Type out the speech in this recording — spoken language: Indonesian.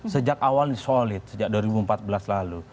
sejak awal solid sejak dua ribu empat belas lalu